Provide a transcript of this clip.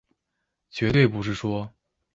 絕對不是說